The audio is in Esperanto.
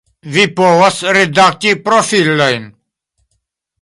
Vi povas redakti profilojn